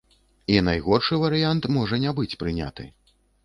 І найгоршы варыянт можа не быць прыняты.